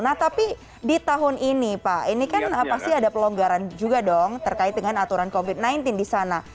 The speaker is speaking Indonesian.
nah tapi di tahun ini pak ini kan pasti ada pelonggaran juga dong terkait dengan aturan covid sembilan belas di sana